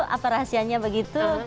apa rahasianya begitu